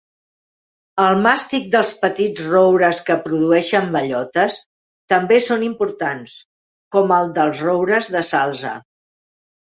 El màstic dels petits roures que produeixen bellotes també són importants, com el dels roures de salze.